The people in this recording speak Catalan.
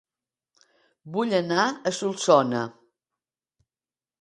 Vull anar a Solsona